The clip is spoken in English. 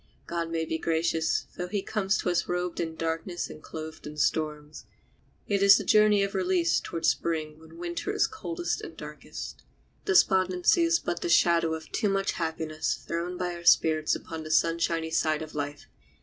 God may be gracious, though he comes to us robed in darkness and clothed in storms. It is a journey of release towards the Spring when Winter is coldest and darkest. Despondency is but the shadow of too much happiness thrown by our spirits upon the sunshiny side of life.